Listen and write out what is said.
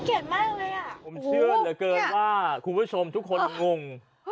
มากเลยอ่ะผมเชื่อเหลือเกินว่าคุณผู้ชมทุกคนงง